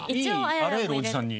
あらゆるおじさんに。